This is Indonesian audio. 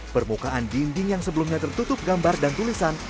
permukaan dinding yang sebelumnya tertutup gambar dan tulisan